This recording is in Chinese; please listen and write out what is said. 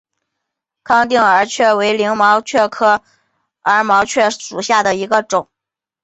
康定耳蕨为鳞毛蕨科耳蕨属下的一个种。